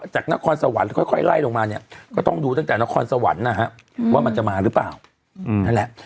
นครสวรรค์แล้วค่อยไล่ลงมาเนี่ยก็ต้องดูตั้งแต่นครสวรรค์นะฮะว่ามันจะมาหรือเปล่านั่นแหละ